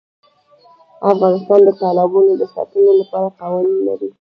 افغانستان د تالابونه د ساتنې لپاره قوانین لري.